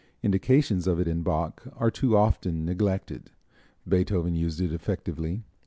Indications of it in Bach are too often neglected. Beethoven used it effectively.